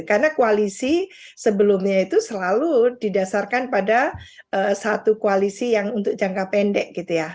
karena koalisi sebelumnya itu selalu didasarkan pada satu koalisi yang untuk jangka pendek gitu ya